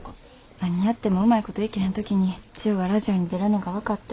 何やってもうまいこといけへん時に千代がラジオに出るのが分かって。